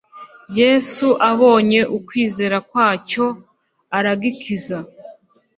yesu abonye ukwizera kwacyo aragikiza